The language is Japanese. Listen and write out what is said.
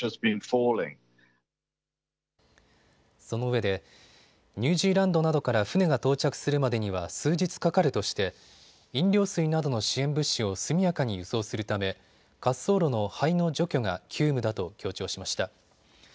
そのうえでニュージーランドなどから船が到着するまでには数日かかるとして飲料水などの支援物資を速やかに輸送するため滑走路の灰の除去が急務だと強調しました。